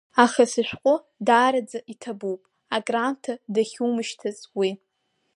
Аха сышәҟәы даараӡа иҭабуп акраамҭа дахьумышьҭыз уи!